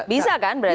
bisa kan berarti